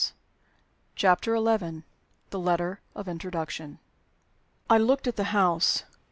CHAPTER XI. THE LETTER OF INTRODUCTION. I LOOKED at the house.